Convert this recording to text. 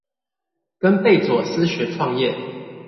跟貝佐斯學創業